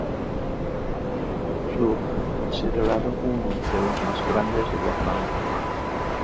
Club considerado uno de los más grandes de Guatemala.